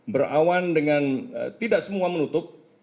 berawan dengan tidak semua menutup